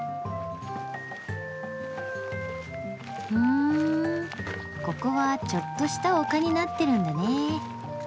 ふんここはちょっとした丘になってるんだね。